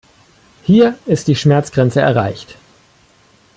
Hier ist die Schmerzgrenze erreicht.